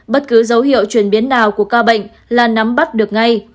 bất cứ dấu hiệu chuyển biến nào của ca bệnh là nắm bắt được ngay